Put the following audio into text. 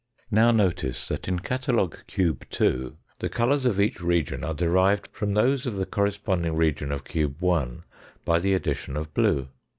Now notice that in catalogue cube 2 the colours of each region are derived from those of the corresponding region of cube 1 by the addition of blue.